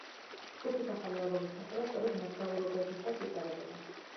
ჯგუფის ახალი ალბომის მასალა სწორედ მოგზაურობებისას იწერებოდა.